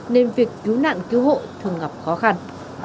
nên việc cứu nạn cứu hộ thường gặp khó khăn